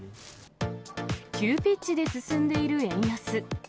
急ピッチで進んでいる円安。